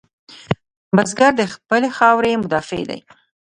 بزګر د خپلې خاورې مدافع دی